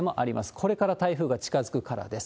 これから台風が近づくからです。